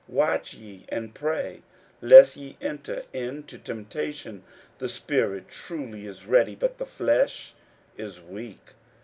41:014:038 Watch ye and pray, lest ye enter into temptation. The spirit truly is ready, but the flesh is weak.